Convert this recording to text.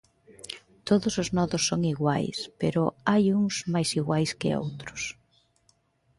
Todos os nodos son iguais, pero hai uns máis iguais que outros.